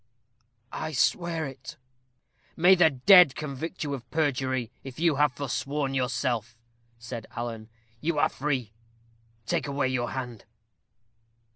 "I swear it." "May the dead convict you of perjury if you have forsworn yourself," said Alan; "you are free. Take away your hand!"